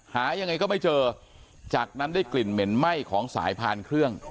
หายังไงก็ไม่เจอจากนั้นได้กลิ่นเหม็นไหม้ของสายพานเครื่อง